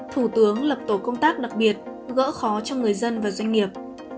thủ tướng lập tổ công tác đặc biệt gỡ khó cho người dân và doanh nghiệp